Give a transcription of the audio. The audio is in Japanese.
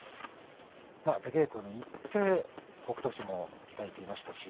出稽古に行って北勝富士も鍛えていましたし